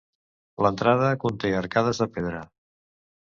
L'entrada conté arcades de pedra.